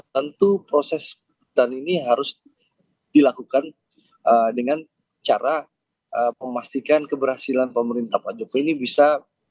tentu proses dan ini harus dilakukan dengan cara memastikan keberhasilan pemerintah pak jokowi ini bisa